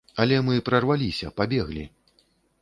Але мы прарваліся, пабеглі.